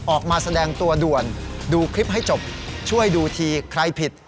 ออกมาแสดงตัวด่วนดูคลิปให้จบช่วยดูทีใครผิด